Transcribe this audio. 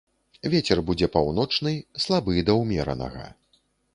Вецер будзе паўночны, слабы да ўмеранага.